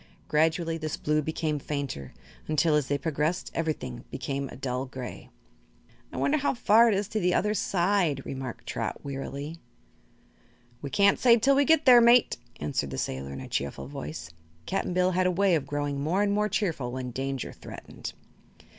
Gradually this blue became fainter, until, as they progressed, everything became a dull gray. "I wonder how far it is to the other side," remarked Trot, wearily. "We can't say till we get there, mate," answered the sailor in a cheerful voice. Cap'n Bill had a way of growing more and more cheerful when danger threatened.